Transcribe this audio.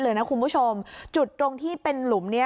เลยนะคุณผู้ชมจุดตรงที่เป็นหลุมเนี้ย